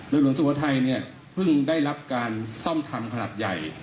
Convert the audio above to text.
เรือรุนสุขภัยเพิ่งได้รับการซ่อมทำขนาดใหญ่